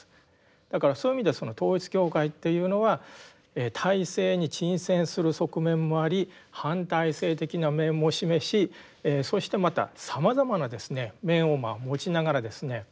だからそういう意味では統一教会っていうのは体制に沈潜する側面もあり反体制的な面も示しそしてまたさまざまな面を持ちながらですね